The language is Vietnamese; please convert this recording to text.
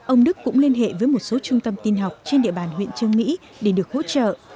ông đức cũng liên hệ với một số trung tâm tin học trên địa bàn huyện trương mỹ để được hỗ trợ